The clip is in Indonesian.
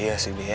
iya sih be ya